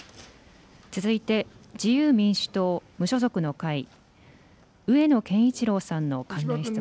続いて、自由民主党・無所属の会、上野賢一郎さんの関連質問